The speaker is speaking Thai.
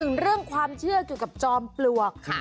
ถึงเรื่องความเชื่อเกี่ยวกับจอมปลวก